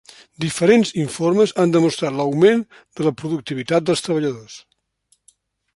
Diferents informes han demostrat l’augment de la productivitat dels treballadors.